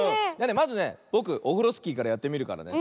まずねぼくオフロスキーからやってみるからね。